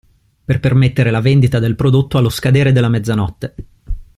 Per permettere la vendita del prodotto allo scadere della mezzanotte.